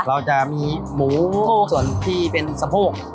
เราจะมีหมูส่วนที่เป็นสะโพก